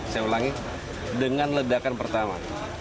saya ulangi dengan ledakan pertama